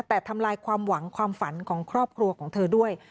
แต่ทำลายความหวังความฝันของครอบครัวของเธอด้วย